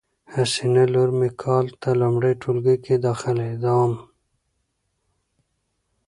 حسینه لور می کال ته لمړی ټولګي کی داخلیدوم